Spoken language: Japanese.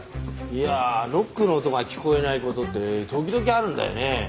いやあノックの音が聞こえない事って時々あるんだよね。